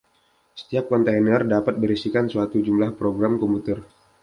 Setiap kontainer dapat berisikan suatu jumlah program komputer.